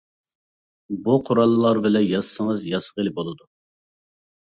بۇ قوراللار بىلەن ياسىسىڭىز ياسىغىلى بولىدۇ.